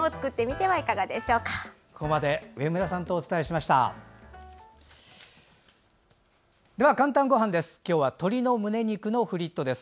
では「かんたんごはん」です。